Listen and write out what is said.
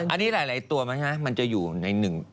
อันนี้หลายตัวไหมฮะมันจะอยู่ในหนึ่ง